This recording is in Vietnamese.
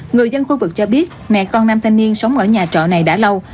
người dân khu vực cho biết mẹ con nam thanh niên sống ở nhà trọ này đã lâu